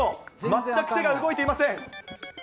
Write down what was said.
全く手が動いていません。